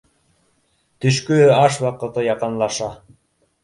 Төшкө аш ваҡыты яҡынлаша.